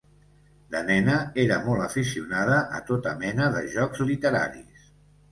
De nena era molt aficionada a tota mena de jocs literaris.